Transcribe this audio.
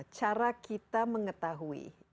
cara kita mengetahui